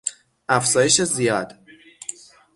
افزایش زیاد